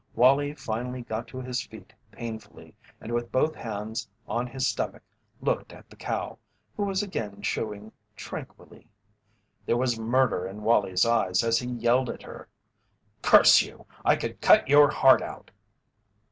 Wallie finally got to his feet painfully and with both hands on his stomach looked at the cow, who was again chewing tranquilly. There was murder in Wallie's eyes as he yelled at her: "Curse you! I could cut your heart out!"